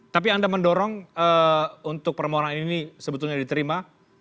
tapi anda mendorong untuk permohonan ini sebetulnya diterima